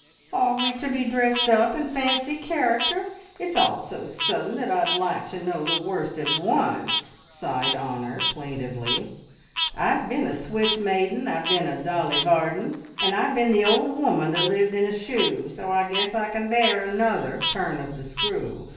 "Are we to be dressed up in fancy character? It's all so sudden that I'd like to know the worst at once," sighed Honor plaintively. "I've been a Swiss maiden, and I've been a Dolly Varden, and I've been the Old Woman that lived in a Shoe, so I guess I can bear another turn of the screw.